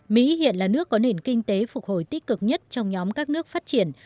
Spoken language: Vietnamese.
mỹ hiện là nước có nền kinh tế phục hồi tích cực nhất trong nhóm các nước phát triển